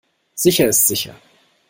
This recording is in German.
Sicher ist sicher.